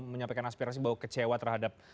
menyampaikan aspirasi bahwa kecewa terhadap